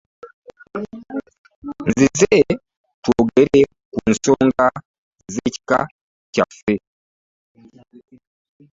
Nzize twogere ku nsonga z'ekika kyaffe.